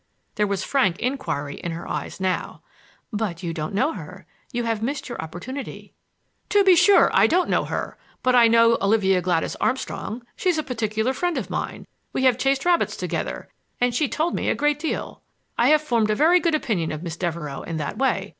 There was frank inquiry in her eyes now. "But you don't know her,—you have missed your opportunity." "To be sure, I don't know her; but I know Olivia Gladys Armstrong. She's a particular friend of mine, —we have chased rabbits together, and she told me a great deal. I have formed a very good opinion of Miss Devereux in that way.